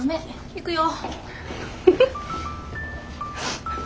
行くよ。